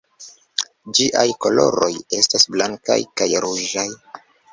Ĝiaj koloroj estas blankaj kaj ruĝaj.